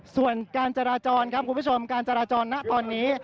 ส่วนการจราจรครับคุณผู้ชมการจราจรณตอนนี้